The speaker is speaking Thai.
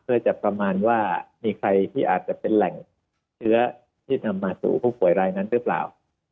เพื่อจะประมาณว่ามีใครที่อาจจะเป็นแหล่งเชื้อที่นำมาสู่ผู้ป่วยรายนั้นหรือเปล่า